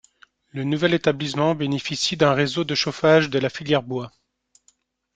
Le nouvel établissement bénéficie d'un réseau de chauffage de la filière bois.